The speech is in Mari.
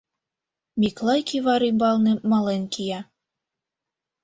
Миклай кӱвар ӱмбалне мален кия.